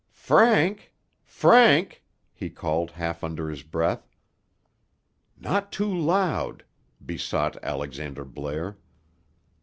"Frank! Frank!" he called half under his breath. "Not too loud," besought Alexander Blair.